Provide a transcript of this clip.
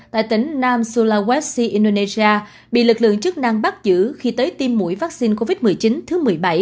tại tỉnh nam sulawesi indonesia bị lực lượng chức năng bắt giữ khi tới tiêm mũi vaccine covid một mươi chín thứ một mươi bảy